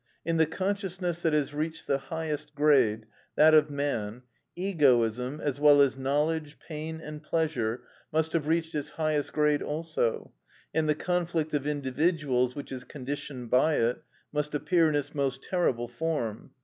In the consciousness that has reached the highest grade, that of man, egoism, as well as knowledge, pain and pleasure, must have reached its highest grade also, and the conflict of individuals which is conditioned by it must appear in its most terrible form.